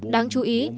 đáng chú ý